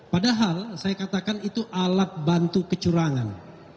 padahal saya katakan itu alat bantu kecurangan